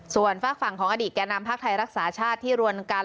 ส่วนฝากฝั่งของอดีตแก่นำภาคไทยรักษาชาติที่รวมกัน